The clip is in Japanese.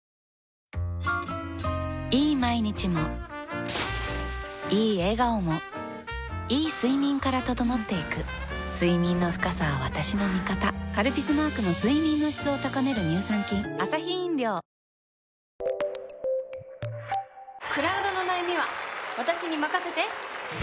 いい毎日もいい笑顔もいい睡眠から整っていく睡眠の深さは私の味方「カルピス」マークの睡眠の質を高める乳酸菌下の子も ＫＵＭＯＮ を始めた